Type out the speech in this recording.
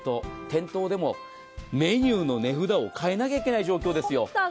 店頭でもメニューの値札を変えなきゃいけない状況ですよ。